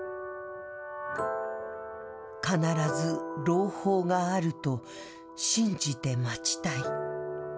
必ず朗報があると信じて待ちたい。